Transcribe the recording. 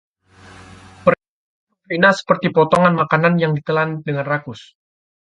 Perkataan pemfitnah seperti potongan makanan yang ditelan dengan rakus;